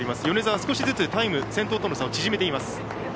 米澤、少しずつ先頭との差を縮めています。